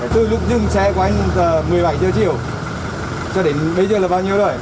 từ lúc dừng xe của anh một mươi bảy giờ chiều cho đến bây giờ là bao nhiêu rồi